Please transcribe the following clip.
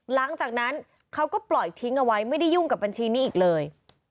หลังจากนั้นเขาก็ปล่อยทิ้งเอาไว้ไม่ได้ยุ่งกับบัญชีนี้อีกเลย